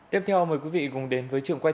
tiếp theo mời quý vị cùng đến với trường quay